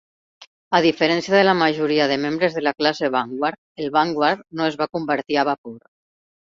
A diferència de la majoria de membres de la classe "Vanguard", el "Vanguard" no es va convertir a vapor.